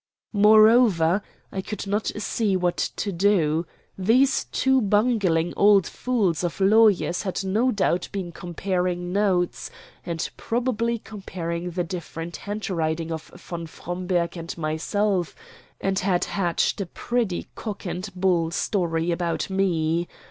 Moreover, I could not see what to do. These two bungling old fools of lawyers had no doubt been comparing notes, and probably comparing the different handwritings of von Fromberg and myself; and had hatched a pretty cock and bull story about me.